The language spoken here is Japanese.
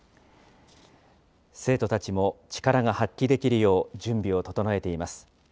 生徒たちも力が発揮できるよう、準備を整えています。